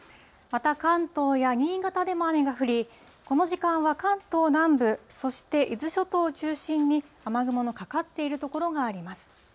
また関東や新潟でも雨が降り、この時間は、関東南部、そして伊豆諸島を中心に、雨雲のかかっている所があります。